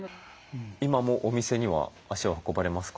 今もお店には足を運ばれますか？